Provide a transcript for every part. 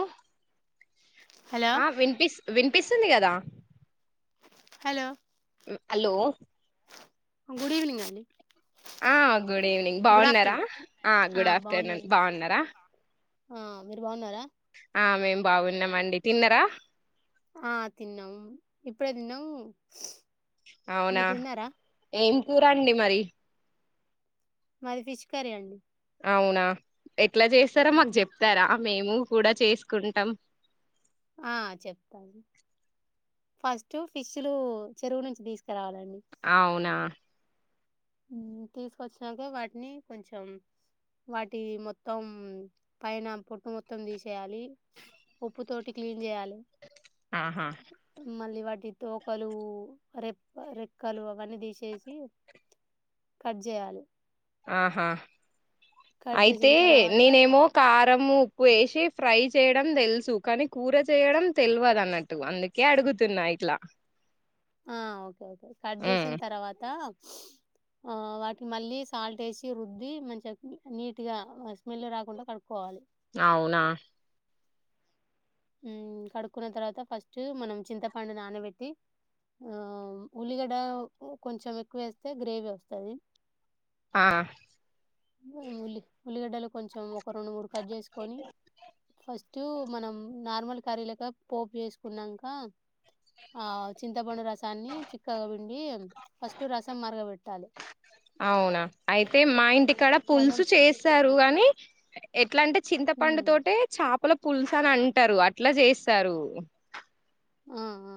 అ hello ఆ వినిపిస్ వినిపిస్తుంది కదా హలో హలో గుడ్ ఈవెనింగ్ అండి ఆ గుడ్ ఈవినింగ్ గుడ్ బావున్నారా ఆఫ్టర్నూన్ ఆ గుడ్ ఆఫ్టర్నూన్ బావున్నారా ఆ మీరు బావున్నారా ఆ మేం బాగున్నామండి తిన్నరా ఆ తిన్నాం ఇప్పుడే తిన్నాము అవునా మీరు తిన్నారా ఏం కూరండి మరి మాది ఫిష్ కర్రీ అండి అవునా ఎ ఎట్లా చేస్తారో మాకు చెప్తారా మేము కూడా చేసుకుంటాం ఆ చెప్తాను ఫస్ట్ ఫిష్లు చెరువు నుంచి తీసుకు అవునా తీసుకొచ్చినాక వాటిని కొంచెం వాటి మొత్తం పైన పొట్టు మొత్తం తీసేయాలి ఉప్పు తోటి క్లీన్ చేయాలి ఆహా మళ్ళి వాటి తోకలు రెక్క రెక్కలు అవన్నీ తీసేసి కట్ చేయాలి ఆహా కట్ అయితే చేసిన తర్వాత నేనేమో కారము వేశి ఫ్రై చేయడం దెల్సు కని కూర చేయడం తెల్వదు అన్నట్టు అందుకే అడుగుతున్న ఇట్ల ఆ ఓకే ఒకే కట్ చేసిన్ తర్వాత ఆ వాటిని మళ్ళీ సాల్ట్ వేసి రుద్ది కొంచెం మంచిగ నీట్ గా అ స్మెల్ రాకుండా కడుక్కోవాలి ఔనా కడుక్కున్న తర్వాత ఫస్ట్ మనం చింతపండు నానబెట్టి ఆ, ఉల్లిగడ్డా కొంచెం ఎక్కువేస్తే గ్రేవీ ఒస్తది ఆ ఉ ఉల్లి ఉల్లిగడ్డలు కొంచం ఒక రెండు, మూడు కట్ జేస్కోని ఫస్ టు మనం నార్మల్ కర్రీలెక్క పోప్ చేస్కున్నంక ఆ చింతపండరస్ సాన్ని చిక్కగా పిండి ఫస్ట్ రసం మర్గబెట్టాలి పుల్సు చేస్తారు గని ఎట్లాంటే చింతపండు ఉమ్ తోటె చాపల పుల్స అని అంటరు అట్లా చేస్తరు ఆ అ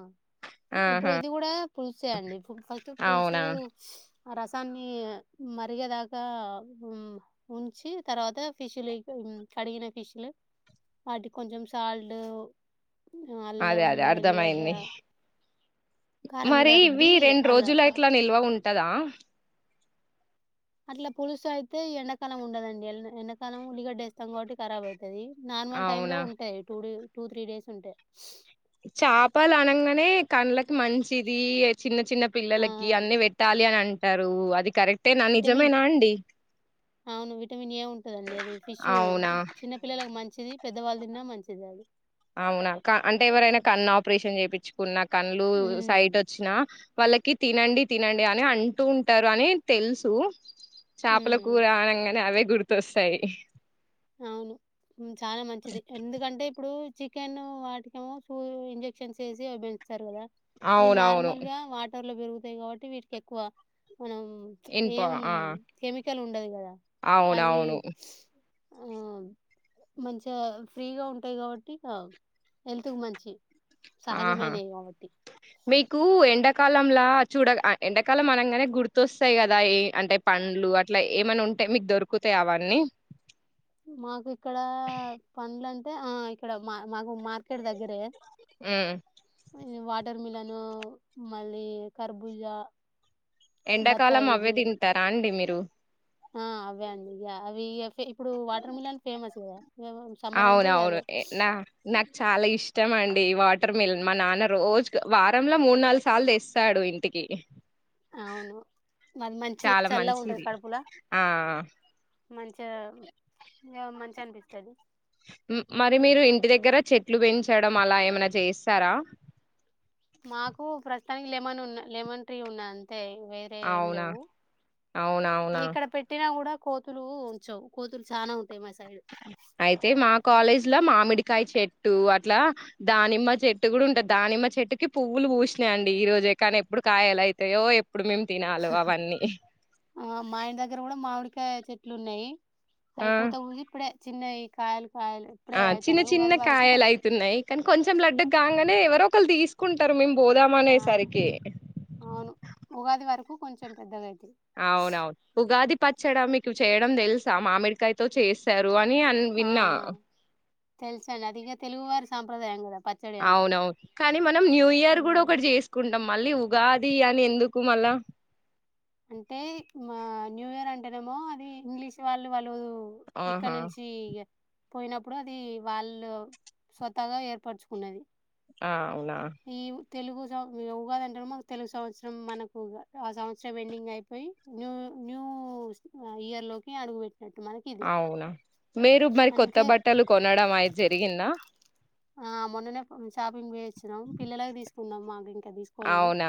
ఇప్పుడు ఇది గుడా పుల్సే అండి ఫస్ట్ పుల్సూ అవునా ఆ రసాన్ని మరిగేదాకా ఉమ్ ఉంచి తర్వత ఫిశ్లిక కడిగిన ఫిష్ల వాటి కొంచం సాల్టు అ అల్లం వెల్లిగడ్డ ర్థమైంది కారం మరీ ఇలా ఇవ్వి రుద్ది అలా రెండ్రోజుల ఇట్ల నిల్వ ఉంటదా అట్లా పుల్సైతె ఎండకాలం ఉండదండి ఎండాకాలం ఉలిగడ్డ ఎత్తం కాబట్టి కరాబ్ ఐత తది నార్మల్ టైమ్ లో అవునా ఉంటాయ్ two day two, three days ఉంటె చాపలనంగనే కండ్లకి మంచిది చిన్న చిన్న ఆ పిల్లలకి అన్నీ వెట్టాలి అని అన్ టరు అది కరెక్టేనా విటమిన్ నిజమేనా అండి ఔను విటమిన్ ఏ ఉంటుందండి అది ఫిష్ అవునా చిన్న పిల్లలకు మం చిది పెద్దవాళ్ దిన్నా మంచిదది ఔనా క అంటే ఎవరైనా కన్నాప్రిరేషన్ చేపిచ్చుకున్నా కండ్లు సైట్ హ్మ్. ఒచ్చినా వాళ్ళకి తినండి తినండి అని అంటూ ఉంటారు అని తెల్సు హ్మ్. చాపల కూర అనంగనె అవే గుర్తొస్తయ్ అవును చాలా మంచిది ఎందుకంటే ఇప్పుడు చికెన్ వాటిక ఏమో చూ ఇంజెక్షన్స్ వేసి పెంచుస్తారు కదా ఇ అవునవును నార్మల్ గా వాటి లో పెరుగుతాయి కాబట్టి వీటికి ఎక్కువ ఇనప ఆ కెమికల్ ఉండదు అవును అవును ఆ మంచిగా ఫ్రీగా ఉంటాయి కాబట్టి ఆ హెల్త్కి మంచియి ఆహా సహజమైనయి కాబట్టి. బకు ఎండకాల లా చూడ ఎండకాల మనంగానే గుర్తొస్తాయి కదా ఏ అంటే పండ్లు అట్లా ఏమన్నా ఉంటే మీకు దొరుకుతాయి అవన్నీ మాకు ఇక్కడ పండ్ల అంటే ఆ ఇక్కడ మా మాకు మార్కెట్ దగ్గరే మ్ ఇ వాటర్ మిలనూ మళ్ళీ కర్బూజ ఎండాకాలం అవే తింటారా అండి మీరు ఆ! అవే అండి. యాహ్! అవి ఎఫె ఇప్పుడు వాటర్ మిలన్ ఫేమస్ గదా! ఏమో సమ్మర్ అంటే ఇగ అవునవును అదే. నా నాక్ చాలా ఇష్ ఇష్టమండి వాటర్ మిలన్ మా నాన్న రోజు వారంలో మూడ్ నాలుగుసార్లు తెస్తాడు ఇంటికి అవును అది మంచిది చాలా చల్లగుంటది మంచిది కడుపులో ఆ మంచిగ ఆ మంచిఅనిపిస్తది మరి మీరు ఇంటి దగ్గర చెట్లు పెంచడం అలా ఏమైనా చేస్తారా? మాకు ప్రస్తుతానికి లెమన్ ఉన్నా లెమన్ ట్రీ ఉన్నాదంతే వేరే ఏం అవునా లేవు అవునవునా ఇక్కడ పెట్టినా కూడా కోతులు ఉంచవు కోతులు చానా ఉ అయితే మా కాలేజ్ లో మామిడి కాయ చెట్టు అట్లా దానిమ్మ చెట్టు కూడా ఉంటది దానిమ్మ చెట్టుకి పువ్వులు పూసినాయండి ఈ రోజే కానీ ఎప్పుడు కాయలు అయ్ తయో ఎప్ ఎప్పుడు మేము తినాలో అవన్నీ వంకాయ చెట్లు ఉన్నాయి అయి ఆ పూత పూసి ఇప్పుడే చిన్నయి కాయలు కాయలు ఇప్పుడే ఆ చిన్న అయితన్నయి. చిన్న ఉగాది వరకు కాయలు కొంచెం అయితున్నయి కానీ కొంచెం లడ్డు కాంగనే ఎవరో కలు తీసుకుంటరు మేము పోదామనే ఆ! సరికి అవును. ఉగాది వరకు కొంచెం పెద్దగై అవునవును ఉగాది పచ్చడా మీకు చేయడం తెలుసా మామిడికాయతో చేస్తారు అ ఆ ఆ తెలుసండి అదిగా తెలుగు వారీ సంప్రదాయం గదా అవునవును కానీ మనం న్యూ ఇయర్ కూడా ఉమ్. ఒకటి చేసుకుంటాం మళ్ళీ ఉగాది అని ఎందుకు మళ్ళ అంటే న్యూ ఇయర్ అంటేనేమో అది ఇంగ్లీష్ వాళ్ళు వాళ్ళ ఉ ఇక్కడ ఆహా నుంచి చేయ్ పోయినప్పుడు అది వాళ్ళు స్వతగా ఏర్పరచుకున్నది. ఆ అవునా ఈ తెలుగు సం ఉగాదంటేనెమో తెలుగు సంవత్సరం మనకు ఉగాది. ఆ సంవత్సరం. ఎండింగ్ అయిపోయి న్యూ న్యూ ఇయర్ లోకి అడుగుపెట్ అవునా మీరు మరి కొత్త అందుకే బట్టలు కొనడం అది జరిగిందా! ఆ మొన్ననే షాపింగ్ పొయొచ్చినాం పిల్లలకి తీసుకు పున్నమాగింగ్ అవునా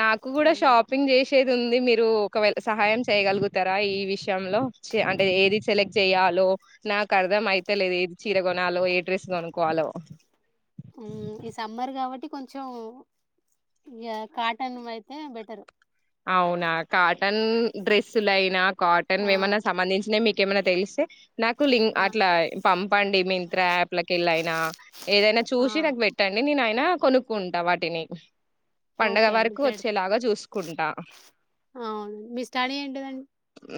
నాకు కూడా ఉమ్. షాపింగ్ చేసేది ఉంది మీరు ఒకవేళ సహాయం చేయగలుగుతారా. ఈ విషయంలో అంటే ఏది సెలెక్ట్ చేయాలో నాకు అర్థం అయిత లేదు. ఏది చీర కొనాలో, ఏ డ్రెస్ కొనుక్కో వాలో. ఊ ఈ సమ్మర్ కాబట్టి కొంచెం ఇగ కాటన్ అయితే బెటరు అవునా కాటన్ డ్రెస్సులయినా కాటన్ ఆ! వి ఏమైనా సంబంధించిన మీకు కేమనా తెలిస్తే నాకు లింక్ ఆ! అట్లా పంపండి. మీంత్రా యాప్లకు వె ళ్ళైనా ఏదైనా ఆ! చూసి నాకు పెట్టండి. నేనయినా కొనుక్కుంటా వాటిని పండగ ఓకే అండి. వరకు పెడ్ వచ్చేలాగా చూసుకుంటా అవును మీ స్టడీ ఏంటిదండి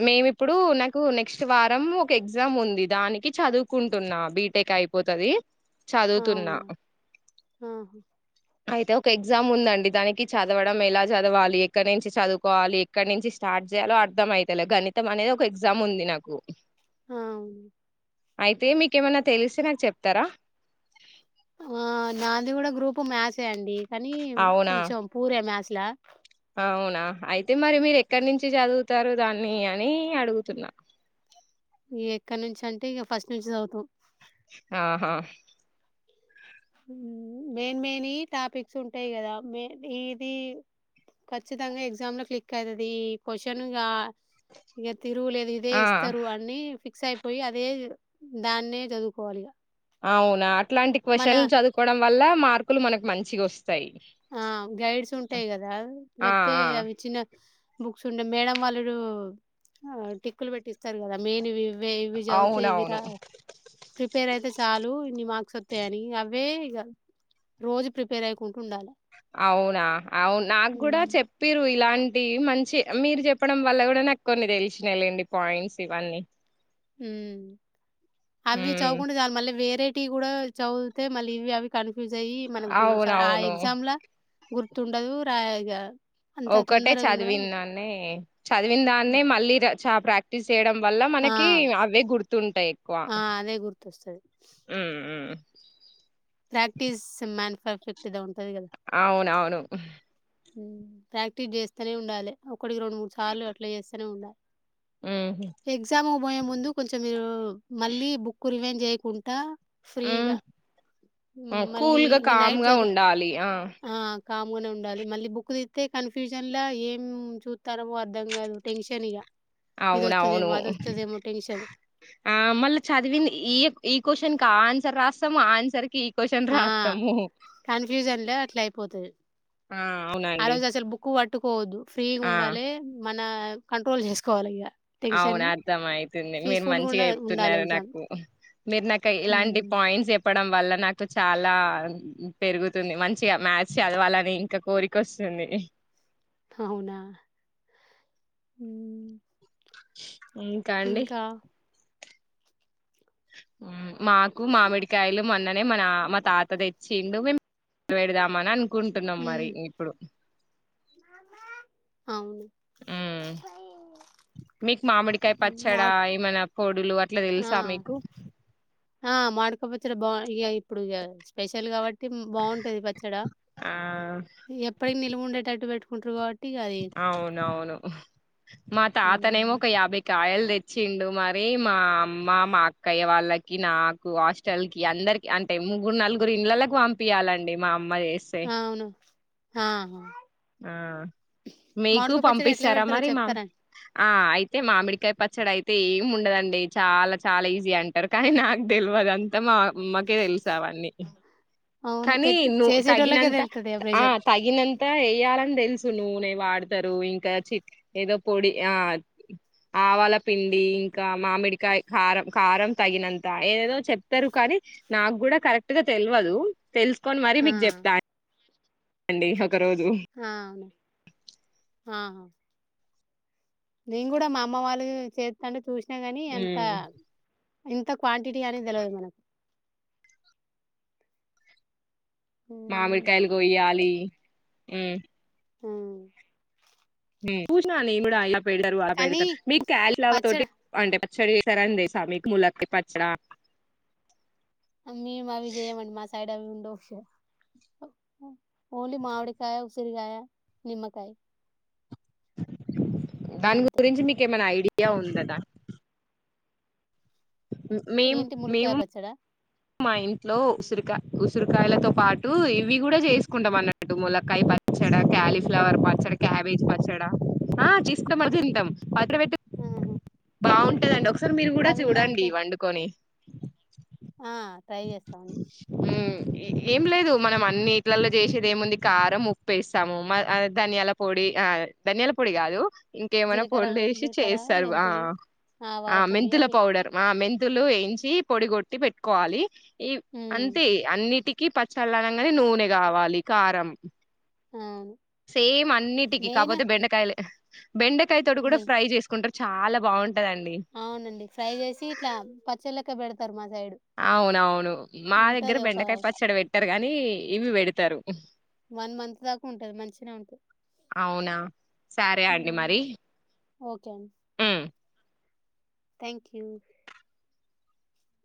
మేమిప్పుడు నాకు నెక్స్ట్ వారం ఒక ఎగ్జామ్ ఉంది. దానికి చదువుకుంటున్నా బీటెక్ అయిపోతది. చదువుతున్నా అవునా ఆహా అయితే ఒక ఎగ్జామ్ ఉందండి. దానికి చదవడం ఎలా చదవాలి. ఇక్క నుంచి చదువుకోవాలి. ఎక్కడ నుంచి స్టార్ట్ చేయాలో అర్థం అవుతలే. గణితం అనేది ఒక ఎగ్జామ్ ఉంది నాకు. ఆ అయితే మీకేమన్నా తెలిస్తే నాకు చెప్తారా ఆ నాది కూడా గ్రూప్ మ్యాచే అండి కానీ అవునా కొంచెం పూర మాథ్స్ లా అవునా అయితే మరి మీరు ఎక్కడి నుంచి చదువుతారు దాన్ని అని అడుగుతున్నా. ఈ ఎక్కడి నుంచి అంటే ఇక ఫస్ట్ నుంచి చదువుతా ఆహా మెయిన్ మెయిన్ టాపిక్స్ ఉంటాయి కదా. మ ఇది ఖచ్చితంగా ఎగ్జామ్ లో క్లిక్ అవయితది. ఈ క్వశ్చన్గా ఇక తిరు లేదు ఇదే ఆ ఇస్తరు అన్ని ఫి ఫిక్స్ అయిపోయి అదే దాన్నే చదువుకోవాలిగ. అవునా ఇట్లాంటి క్వశ్చన్లు చదువుకోవడం వల్ల మార్క్ మనక్ మంచిగా వస్త ఆ గైడ్స్ ఉంటాయి గదా ఆ లేకపోతే అవి చిన్న బుక్స్ ఉండే మేడం వాళ్ళు టిక్కులు పెట్టిస్తారు గదా మేన్వి యే ఇవి ఆ జావ్తే ఇవి అవునవును రా ప్రిపేరైతే తాలు ఇన్ని మార్క్స్ వత్తయని అవే ఇగా రోజు ప్రిపేర్ అయికుంటూ ఉండాలి అవునా అవును నాకు కూడా చెప్పిరు ఇలాంట్ కీ మంచి మీరు చెప్పడం వల్ల కూడా నాకు కొన్ని తెేలిసినాయ్ లేండి పాయింట్స్ ఇవన్నీ హుమ్ అవి ఉమ్ చౌకుంటే చాలు మళ్ళి వేర్ టివి కూడా చదువుతే మల్లి అవి ఇవి కన్ నువ్ జేయ్యి మనకు సార్ ఆ అవునవును ఎగ్జామ్ లా గుర్తుండదు రాయగా ఒకటే చదివినానే చదివిన దాన్నే హ్మ్. మళ్ళీ రా చా ప్రాక్ చేయడం వల్ల ఆ! మనకి అవే గుర్తుంటాయి ఎక్కువ ఆ! అదే గుర్తొస్తది. హ్మ్ మ్ ప్రాక్టీస్ మ్యాన్ పర్ఫెక్ట్ ఇదా ఉం అవునవును హ్మ్ ప్రాక్టీస్ చేస్తునే ఉండాలి. ఒకటికి రెండు మూడు సార్లు అట్లా చేస్తనే ఉండాలి. ఉమ్ ఎగ్జాము పోయే ముందు కొంచెం మీరు మళ్ళీ బుక్ రివైండ్ చేయ్కుంటా ఉమ్ ఉ మళ్ళీ కూల్గా కామ్గా ఉండాలి ఆ కామగానే ఉన్ ఉండాలి మళ్ళీ బుక్ తీత్తే కన్ఫ్యూజన్ లా ఏం చూత్తారెమో అర్ధం కాదు టెన్షన్ ఇగా అవునవును టెన్షన్. ఆ మళ్ళీ చదివింది ఈ ఈ క్వశ్చన్ ఆన్సర్ రాస్తాము ఆన్సర్ కి క్వశ్చన్ ఆ! రాత్తము పోతది ఆ అవునండి పోవద్దు ఫ్రీగ్ ఆ ఉండాలె మన కంట్రోల్ చేసుకోవాలిగ అవును అర్థమైతింది మీరు ఉండ మంచిగా ఉండాలి చెప్తున్నారు ఎగ్జామ్. నాకు మీరు నాకు ఇలాంటి హ్మ్. పాయింట్స్ ఏప్ చెప్పడం వల్ల నాకు చాలా పెరుగుతుంది. మంచిగా మ్యాస్ చదవాలని ఇంకా కోరిక వస్తుంది. అవునా ఇంకా అండి మ్ మాకు మామిడికాయలు మొన్ననే మా నా మా తాత తెచ్చిండు మేము పెడదామనన్ కుంటున్నాం హ్మ్. మరి ఇప్పుడు అవును. హ్మ్ మీకు మామిడికాయ హ్మ్. పచ్చడా మాడ్ ఏమన్నా [unintelligible] అట్లా ఆ! తెలుసా మీకు ఆ మామిడికాయ పచ్చడి బా ఇక ఇప్పుడు ఇగ స్పెషల్ కాబట్టి తిం బావుంటాద ఈ పచ్చడా ఆ ఎప్పటికి నిల్వ ఉండేటట్టు పెట్టు [unintelligible] అవునవును మా తాత నేమో హ్మ్ ఒక యాభై కాయలు తె చ్చిండు మరి మా అమ్మ మా అక్కయ్య వాళ్ళకి నాకు హాస్టల్ కి అందరికి అంటే ముగ్గురు నలుగురు ఇండ్లళ్ళలకు పంపింయాలండి. మ అవును ఆ ఆ మీకు మామిడికాయ పచ్చడి ఎట్లా పంపిస్తారా పెడతారో మరి మా చెప్తారాండి ఆ అయితే మామిడికాయ పచ్ చ్చడి అయితే ఏం ఉండదండి చాలా చాలా ఈజీ అంటారు కానీ నాకు తెలవదు అంతా మా అమ్మకే తెల్సు అవన్నీ అవును కానీ పెట్టి నువ్ చేసేటోళ్ళకే తగినంత తెలుత్తది ఆ ప్రెషర్ తగినంత ఏయ్యాలని తెలుసు నూనె వాడతరు ఇంకా చి ఏదో పొడి ఆ ఆవాల పిండి ఇంకా మామిడికాయ కారం కారం తగినంత ఏదేదో చెప్తరు కానీ నాకు కూడా కరెక్ట్ గా తెల్వదు. తెలుసుకొని మరీ ఆ మీకు చెప్తా అండి ఒక రోజు ఆ ఆహా నేను కూడా మా అమ్మ వాళ్ళు చేస్తంటే చూసి న కాని అంత ఉమ్ ఇంత క్వాంటిటీ అనేది తెలవదు మనకు హ్మ్ మామిడికాయలు కొయాలి, హ్మ్ ఉమ్ చూసిన నేనుకూడ పెడతారు ఆ కానీ పెడతారు మీకు కాలిఫ్లవర్ తోటి పచ్చడి అంటే ఈసారి చేసార అండి సార్ ములక్కాయ్ పచ్చడా మేమ్ అవి చేయమండి మా సైడ్ అవి ఉ ఓన్లీ మామిడికాయ, ఉసిరికాయ, నిమ్మకాయ్ దాని అంతే గురించి మీకేమన్నా ఐడియా యా ఉందా [unintelligible] ఏంటి ములక్కాయ మేము పచ్చడా మా ఇంట్లో ఉసిరికా ఉసిరికాయలతో పాటు ఇవి కూడా చేసుకుంటాం అన్నట్టు ములక్కాయ పచ్చడ, కాలీఫ్లవర్ పచ్చడ, క్యాబేజ్ పచ్చడ ఆ చేస్తాం తింటాం, పచ్చడ పెట్ మ్ హు బాగుంటదండి ఒక సారి మీరు కూడా చూడండి వండుకొని ఆ ట్రై చేస్తామండి. ఉమ్ ఏం లేదు మనం అన్ని ఇట్లలో చేసేది ఏముంది కారం ఉప్పు ఎస్తాము మ ఆ ధనియాల పొడి ఆ ధనియాల పొడి కాదు ఇంకేమైనా జీలకర్ర పొళ్లు వేశి జీలకర్ర చేస్తారు. ఆ మెంతులు ఆ ఆవాల పొడి మెంతుల అవి పౌడర్ ఆ మెం ఇత్తులు వేయించి పొడిగొట్టి పెట్టుకోవాలి, ఈ ఉమ్ అంతే అన్నిటి కి పచ్చళ్లు అనంగానే నూనె కావాలి కారం అవును సేమ్ అన్నిటికి మెయిన్ కాపోతే బెండకాయలే బెండకాయ తోటీ కూడా ఫ్రై చేసుకుంటారు చా చాలా బావుంట అవును అండి ఫ్రై చేసి ఇట్లా పచ్చళ్ళక్ క పెడతారు మాది అవునవును మా దగ్గర ఒక బెండకాయ పచ్చడి వేట్టారు గానీ ఇవి పెడతరూ వన్ మంత్ దాకా ఉంటది మంచినే ఉంటది అవునా సరే హు అండి మరి ఓకే అండి ఉమ్. Thank you